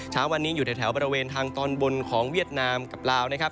เช้าวันนี้อยู่ในแถวบริเวณทางตอนบนของเวียดนามกับลาวนะครับ